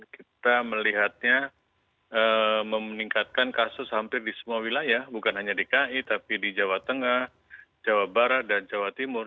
kita melihatnya meningkatkan kasus hampir di semua wilayah bukan hanya dki tapi di jawa tengah jawa barat dan jawa timur